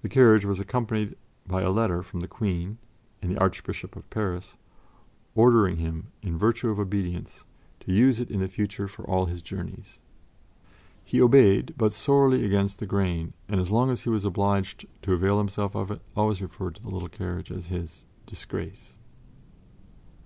The carriage was accompanied by a letter from the Queen and the Archbishop of Paris ordering him in virtue of obedience to use it in the future for all his journeys. He obeyed, but sorely against the grain, and as long as he was obliged to avail himself of it always referred to the little carriage as his "disgrace."